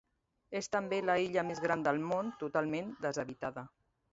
És també l'illa més gran del món totalment deshabitada.